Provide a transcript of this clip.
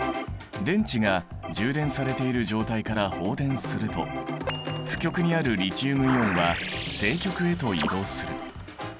電池が充電されている状態から放電すると負極にあるリチウムイオンは正極へと移動する。